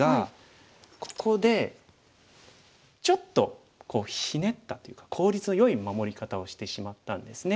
ここでちょっとひねったというか効率のよい守り方をしてしまったんですね。